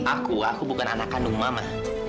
aku aku bukan anak kandung mama